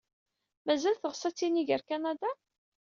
Mazal teɣs ad tinig ɣer Kanada?